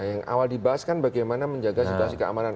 yang awal dibahas kan bagaimana menjaga situasi keamanan